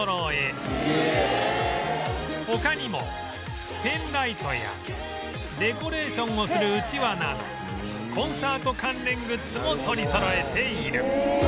すげえ！他にもペンライトやデコレーションをするうちわなどコンサート関連グッズも取りそろえている